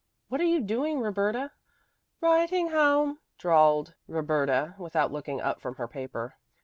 "What are you doing, Roberta?" "Writing home," drawled Roberta, without looking up from her paper.